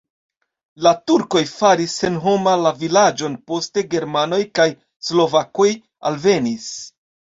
La turkoj faris senhoma la vilaĝon, poste germanoj kaj slovakoj alvenis.